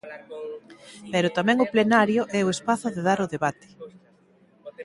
Pero tamén o plenario é o espazo de dar o debate.